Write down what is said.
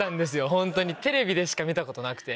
ホントにテレビでしか見たことなくて。